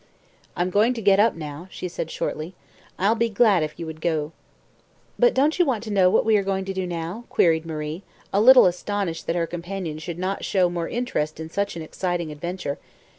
"I'm going to get up now," she said shortly. "I'll be glad if you would go." "But don't you want to know what we are going to do now?" queried Marie, a little astonished that her companion should not show more interest in such an exciting adventure.